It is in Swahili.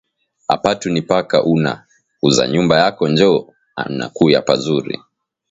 Apatu ni paka una uza nyumba yako njo unakuya pazuri